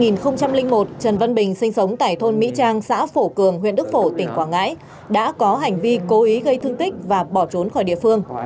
năm hai nghìn một trần văn bình sinh sống tại thôn mỹ trang xã phổ cường huyện đức phổ tỉnh quảng ngãi đã có hành vi cố ý gây thương tích và bỏ trốn khỏi địa phương